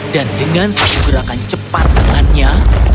dengan satu gerakan cepat dengannya